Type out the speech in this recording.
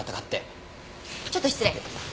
ちょっと失礼。